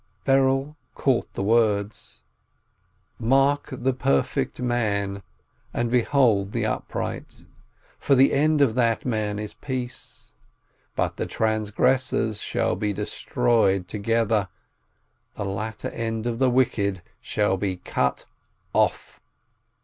Berel caught the words : "Mark the perfect man, and behold the upright: For the end of that man is peace. But the transgressors shall be destroyed together: The latter end of the wicked shall be cut off